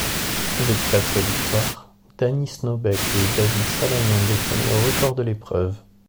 Avec quatre victoires, Dany Snobeck et David Salanon détiennent le record de l'épreuve.